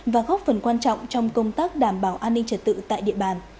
và góp phần quan trọng trong công tác đảm bảo an ninh trật tự tại địa bàn